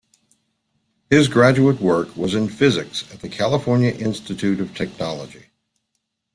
His graduate work was in physics at the California Institute of Technology.